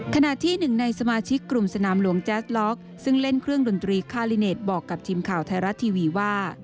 ขณะที่หนึ่งในสมาชิกกลุ่มสนามหลวงแจ๊สล็อกซึ่งเล่นเครื่องดนตรีคาลิเนตบอกกับทีมข่าวไทยรัฐทีวีว่า